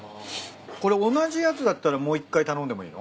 これ同じやつだったらもう一回頼んでもいいの？